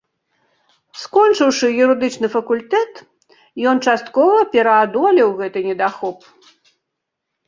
Скончыўшы юрыдычны факультэт, ён часткова пераадолеў гэты недахоп.